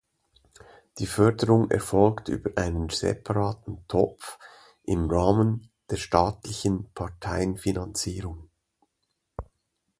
Die Förderung erfolgt über einen separaten Topf im Rahmen der staatlichen Parteienfinanzierung.